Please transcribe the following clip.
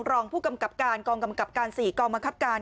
รองผู้กำกับการกองกำกับการ๔กองบังคับการ